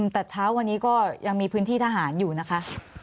แต่เช้าวันนี้ก็ยังมีพื้นที่ทหารอยู่นะคะ